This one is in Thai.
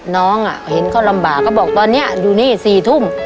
น้องเห็นเขาลำบากเขาบอกตอนนี้อยู่นี่๔ทุ่ม